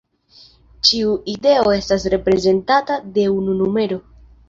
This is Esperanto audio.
Ĉiu ideo estas reprezentata de unu numero.